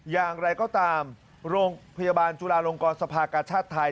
อย่างไรก็ตามโรงพยาบาลจุฬาลงกรสภากาชาติไทย